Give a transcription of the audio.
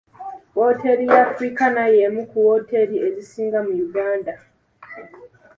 Wooteeri ya Africana y'emu ku wooteeri ezisinga mu Uganda.